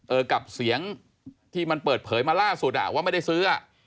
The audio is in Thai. กับเสียงที่มันเปิดเผยมาล่าสุดอ่ะว่าไม่ได้ซื้ออ่ะ